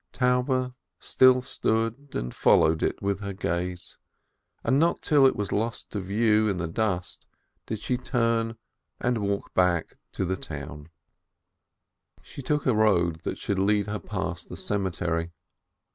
Taube still stood and followed it with her gaze; and not till it was lost to view in the dust did she turn and walk back to the town. A SCHOLAR'S MOTHER 525 She took a road that should lead her past the cemetery.